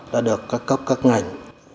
đã được các cấp các ngành